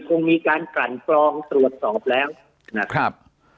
คงมีการกลั่นกรองตรวจสอบแล้วนะครับ